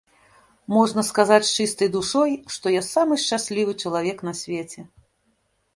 Можна сказаць з чыстай душой, што я самы шчаслівы чалавек на свеце.